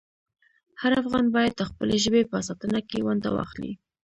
هر افغان باید د خپلې ژبې په ساتنه کې ونډه واخلي.